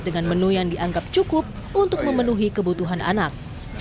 dengan menu yang dianggap cukup untuk memenuhi kebutuhan anak